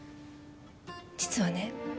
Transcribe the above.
実はね